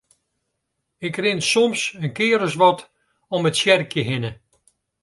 Ik rin soms in kear as wat om it tsjerkje hinne.